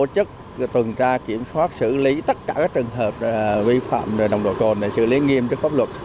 các trường hợp vi phạm nồng độ cồn để xử lý nghiêm trước pháp luật